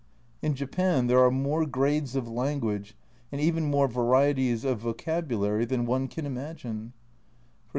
In Japan there are more grades of language, and even more varieties of vocabulary, than one can imagine, e.g.